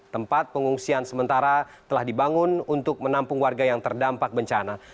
tempat pengungsian sementara telah dibangun untuk menampung warga yang terdampak bencana